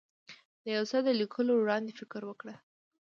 د یو څه د لیکلو وړاندې فکر وکړه.